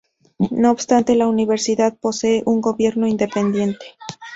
No obstante, la universidad posee un gobierno independiente.